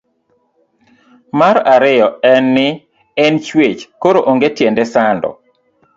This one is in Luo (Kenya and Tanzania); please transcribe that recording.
Mar ariyo en ni en chwech koro onge tiende sando